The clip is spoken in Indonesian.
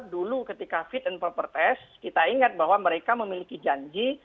dulu ketika fit and proper test kita ingat bahwa mereka memiliki janji